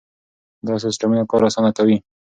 دا سیستمونه کار اسانه کوي.